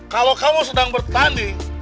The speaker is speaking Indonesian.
kalau kamu sedang bertanding